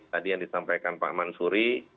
tadi yang disampaikan pak mansuri